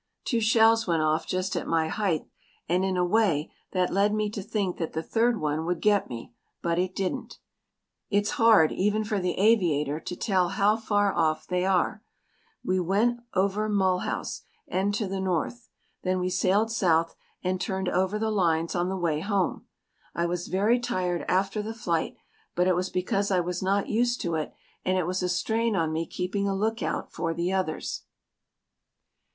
Two shells went off just at my height and in a way that led me to think that the third one would get me; but it didn't. It's hard even for the aviator to tell how far off they are. We went over Mulhouse and to the north. Then we sailed south and turned over the lines on the way home. I was very tired after the flight but it was because I was not used to it and it was a strain on me keeping a look out for the others.